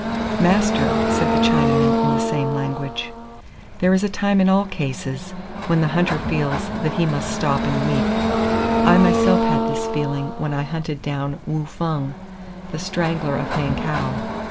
"Master," said the Chinaman in the same language, "there is a time in all cases, when the hunter feels that he must stop and weep. I myself had this feeling when I hunted down Wu Fung, the strangler of Hankow.